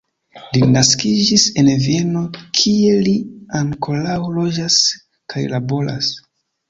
Li naskiĝis en Vieno, kie li ankoraŭ loĝas kaj laboras.